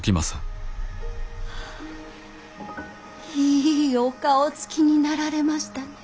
いいお顔つきになられましたね。